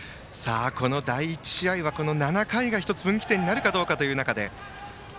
この第１試合は７回が分岐点になるかどうかという中で。